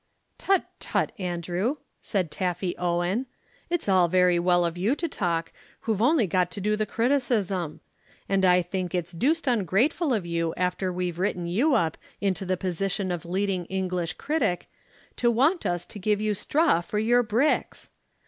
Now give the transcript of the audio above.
"Tut, tut, Andrew," said Taffy Owen, "it's all very well of you to talk who've only got to do the criticism. And I think it's deuced ungrateful of you after we've written you up into the position of leading English critic to want us to give you straw for your bricks!